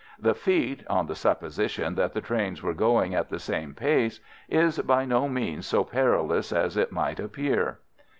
The feat (on the supposition that the trains were going at the same pace) is by no means so perilous as it might appear.